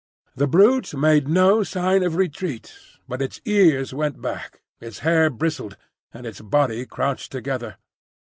The brute made no sign of retreat; but its ears went back, its hair bristled, and its body crouched together.